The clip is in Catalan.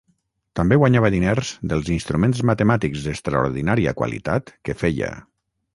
També guanyava diners dels instruments matemàtics d'extraordinària qualitat que feia.